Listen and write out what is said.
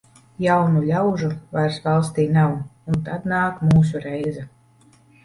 Jaunu ļaužu vairs valstī nav, un tad nāk mūsu reize.